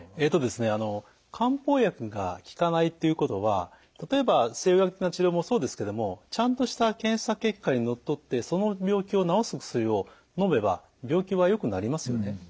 あの漢方薬が効かないということは例えば西洋医学的な治療もそうですけどもちゃんとした検査結果にのっとってその病気を治す薬をのめば病気はよくなりますよね。